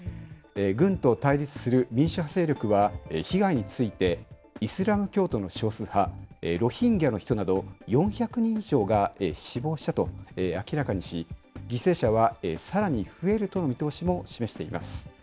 軍と対立する民主派勢力は被害について、イスラム教徒の少数派、ロヒンギャの人など、４００人以上が死亡したと明らかにし、犠牲者はさらに増えるという見通しも示しています。